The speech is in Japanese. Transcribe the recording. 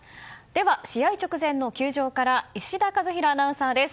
では、試合直前の球場から石田一洋アナウンサーです。